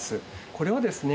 これはですね